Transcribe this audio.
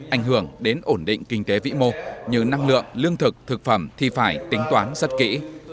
ảnh hưởng đến ổn định kinh tế vĩ mô như năng lượng lương thực thực phẩm thì phải tính toán rất kỹ